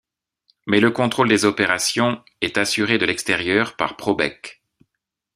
Mais le contrôle des opérations est assuré de l'extérieur par Probek.